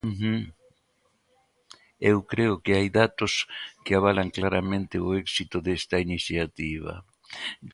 Eu creo que hai datos que avalan claramente o éxito desta iniciativa.